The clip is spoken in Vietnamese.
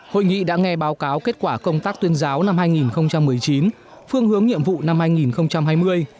hội nghị đã nghe báo cáo kết quả công tác tuyên giáo năm hai nghìn một mươi chín phương hướng nhiệm vụ năm hai nghìn hai mươi